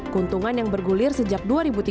keuntungan yang bergulir sejak dua ribu tiga belas